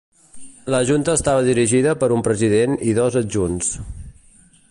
La junta estava dirigida per un president i dos adjunts.